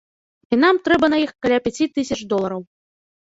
І нам трэба на іх каля пяці тысяч долараў.